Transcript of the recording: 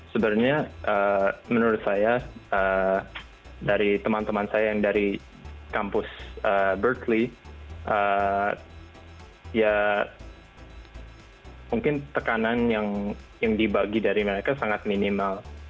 sebenarnya menurut saya dari teman teman saya yang dari kampus berkeley ya mungkin tekanan yang dibagi dari mereka sangat minimal